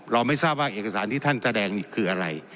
ไม่ทราบว่าเอกสารที่ท่านแสดงนี่คืออะไร